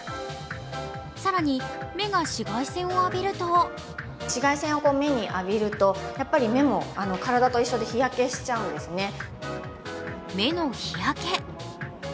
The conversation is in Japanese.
更に、目が紫外線を浴びると目の日焼け。